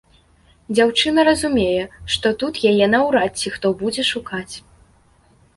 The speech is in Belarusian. Дзяўчына разумее, што тут яе наўрад ці хто будзе шукаць.